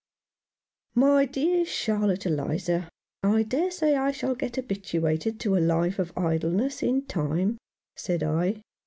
" My dear Charlotte Eliza, I dare say I shall get habituated to a life of idleness in time," said I.